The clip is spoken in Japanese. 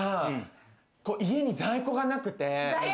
家に在庫がなくて。